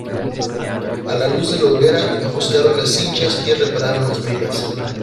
a la luz de la hoguera ajustaron las cinchas y repararon las bridas.